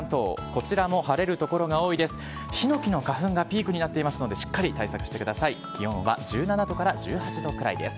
こちらも晴れる所が多いです。